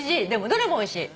どれもおいしい。